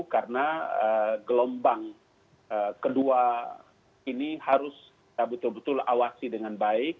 karena gelombang kedua ini harus kita betul betul awasi dengan baik